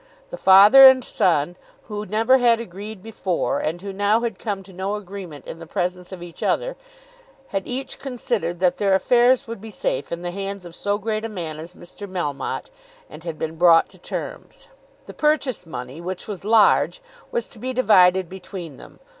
The father and son who never had agreed before, and who now had come to no agreement in the presence of each other, had each considered that their affairs would be safe in the hands of so great a man as Mr. Melmotte, and had been brought to terms. The purchase money, which was large, was to be divided between them.